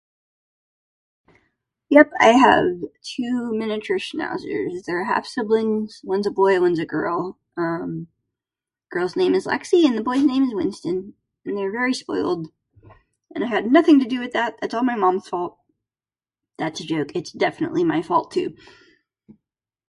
Yep, I have two Miniature Schnauzers. They're half siblings, one's a boy one's a girl. Um, girl's name is Lexie and the boy's name is Winston. And they're very spoiled. And I had nothing to do with that, that's all my mom's fault. That's a joke, it's definitely my fault, too.